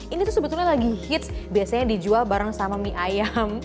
ini tuh sebetulnya lagi hits biasanya dijual bareng sama mie ayam